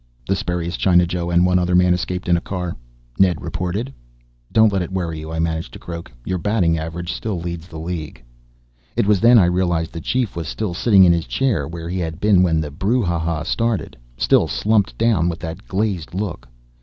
"The spurious China Joe and one other man escaped in a car," Ned reported. "Don't let it worry you," I managed to croak. "Your batting average still leads the league." It was then I realized the Chief was still sitting in his chair, where he had been when the brouhaha started. Still slumped down with that glazed look.